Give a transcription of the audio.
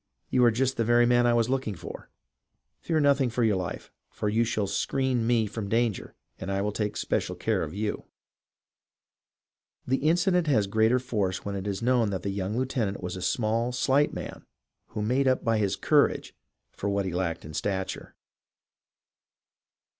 " You are just the very man I was looking for ! Fear nothing for your life, for you shall screen me from danger, and I will take special care oi you !" The incident has greater force when it is known that the young lieutenant was a small, slight man who made up by his courage for what he lacked in stature.